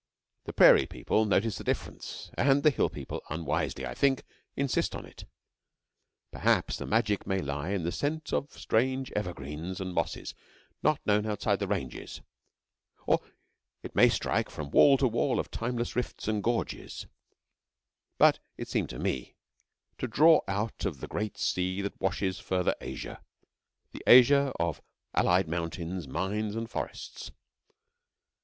The Prairie people notice the difference, and the Hill people, unwisely, I think, insist on it. Perhaps the magic may lie in the scent of strange evergreens and mosses not known outside the ranges: or it may strike from wall to wall of timeless rifts and gorges, but it seemed to me to draw out of the great sea that washes further Asia the Asia of allied mountains, mines, and forests.